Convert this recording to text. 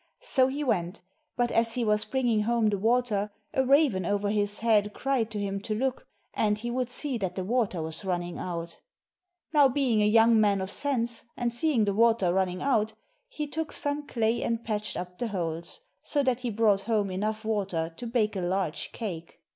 So he went, but as he was bringing home the water, a raven over his head cried to him to look, and he would see that the water was running out. 320 ENGLISH FAIRY TALES Now being a young man of sense, and seeing the water run ning out, he took some clay and patched up the holes, so that he brought home enough water to bake a large cake.